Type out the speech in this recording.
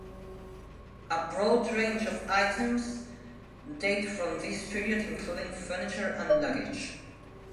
A broad range of items date from this period including furniture and luggage.